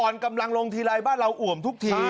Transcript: อ่อนกำลังลงทีไรบ้านเราอ่วมทุกที